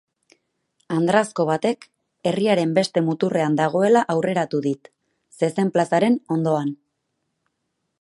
Andrazko batek herriaren beste muturrean dagoela aurreratu dit, zezen plazaren ondoan.